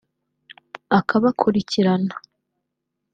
akabakurikirana